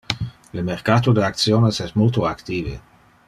Le mercato de actiones es multo active.